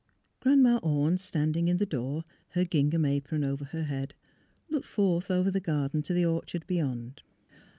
Grandma Orne standing in the door, her ging ham apron over her head, looked forth over the garden to the orchard beyond.